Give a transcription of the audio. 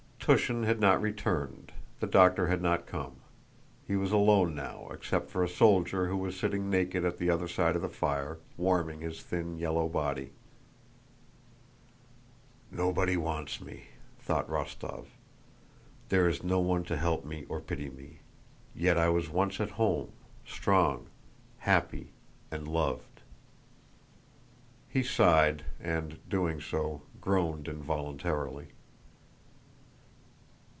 Túshin had not returned, the doctor had not come. He was alone now, except for a soldier who was sitting naked at the other side of the fire, warming his thin yellow body. "Nobody wants me!" thought Rostóv. "There is no one to help me or pity me. Yet I was once at home, strong, happy, and loved." He sighed and, doing so, groaned involuntarily.